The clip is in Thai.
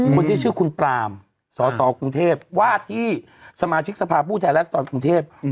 คนที่ชื่อคุณปรามสสกรุงเทพว่าที่สมาชิกสภาพผู้แทนรัศดรกรุงเทพ